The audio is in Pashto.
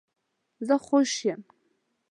زه خوش یم